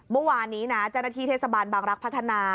เมื่อวานนี้นะจันทรีย์เทศบาลบางรักษ์พัฒนา